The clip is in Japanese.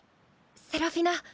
セラフィナ。